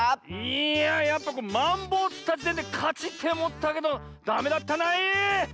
いややっぱマンボウつったじてんでかちっておもったけどダメだったない！